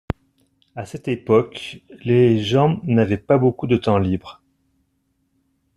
À cette époque, les gens n’avaient pas beaucoup de temps libre.